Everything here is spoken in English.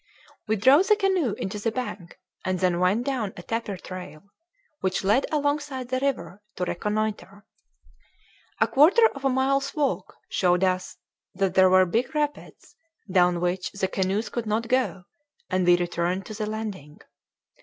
We drove the canoe into the bank, and then went down a tapir trail, which led alongside the river, to reconnoiter. A quarter of a mile's walk showed us that there were big rapids, down which the canoes could not go; and we returned to the landing.